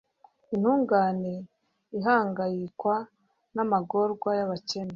intungane ihangayikwa n'amagorwa y'abakene